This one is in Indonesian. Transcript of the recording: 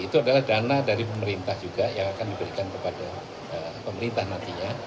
itu adalah dana dari pemerintah juga yang akan diberikan kepada pemerintah nantinya